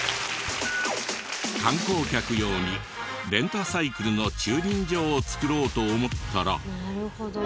観光客用にレンタサイクルの駐輪場を作ろうと思ったら。